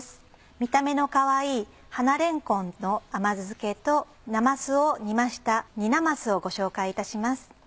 見た目のかわいい「花れんこん」の甘酢漬けとなますを煮ました「煮なます」をご紹介いたします。